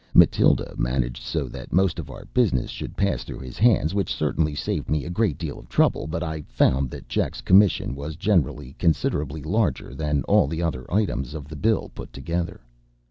Matilda managed so that most of our business should pass through his hands, which certainly saved me a great deal of trouble, but I found that Jack's commission was generally considerably larger than all the other items of the bill put together.